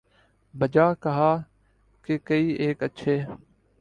'بجا کہا کہ کئی ایک اچھے